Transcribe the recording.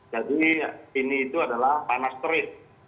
jadi ini itu adalah panas terik